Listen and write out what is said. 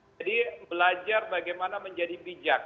jadi belajar bagaimana menjadi bijak